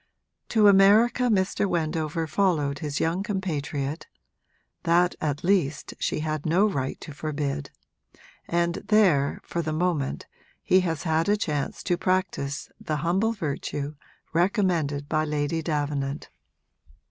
To America Mr. Wendover followed his young compatriot (that at least she had no right to forbid), and there, for the moment, he has had a chance to practise the humble virtue recommended by Lady Davenant.